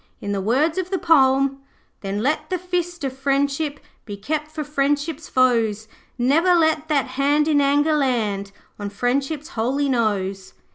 In the words of the poem 'Then let the fist of Friendship Be kept for Friendship's foes. Ne'er let that hand in anger land On Friendship's holy nose.'